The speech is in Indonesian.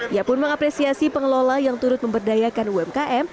ia pun mengapresiasi pengelola yang turut memberdayakan umkm